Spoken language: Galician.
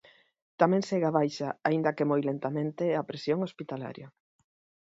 Tamén segue a baixa, aínda que moi lentamente, a presión hospitalaria.